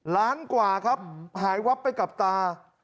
ล้านกว่าครับหายวับไปกับตา